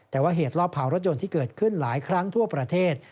แต่ว่าเหตุรอบเผารถยนต์ที่เกิดขึ้นหลายครั้งทั่วประเทศ